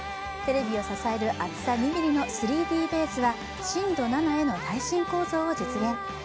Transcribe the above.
テレビを支える厚さ２ｍｍの３Ｄベースは震度７への耐震構造を実現。